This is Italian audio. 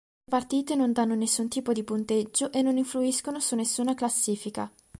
Le partite non danno nessun tipo di punteggio e non influiscono su nessuna classifica.